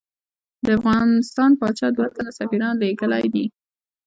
د افغانستان پاچا دوه تنه سفیران لېږلی دي.